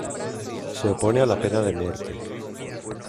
Se opone a la pena de muerte.